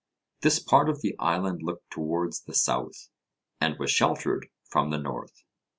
This part of the island looked towards the south, and was sheltered from the north.